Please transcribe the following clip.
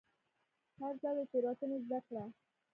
هر ځل له تېروتنې زده کړه.